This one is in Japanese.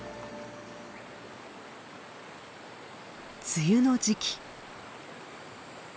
梅雨の時期。